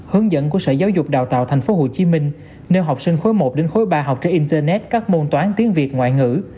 hướng dẫn của sở giáo dục đào tạo tp hcm nêu học sinh khối một đến khối ba học trên internet các môn toán tiếng việt ngoại ngữ